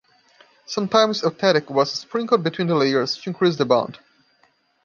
Sometimes eutectic was sprinkled between the layers to increase the bond.